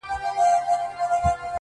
سردونو ویښ نه کړای سو.